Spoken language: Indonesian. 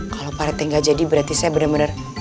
kalau parete gak jadi berarti saya bener bener